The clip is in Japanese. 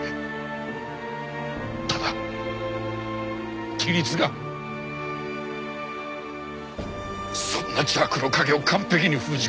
だが規律がそんな邪悪な影を完璧に封じ込める。